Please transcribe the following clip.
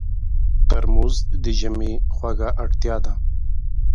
ترموز د ژمي خوږه اړتیا ده.